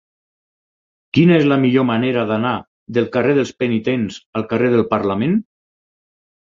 Quina és la millor manera d'anar del carrer dels Penitents al carrer del Parlament?